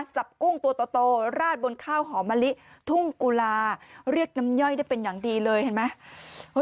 กุ้งตัวโตราดบนข้าวหอมมะลิทุ่งกุลาเรียกน้ำย่อยได้เป็นอย่างดีเลยเห็นไหม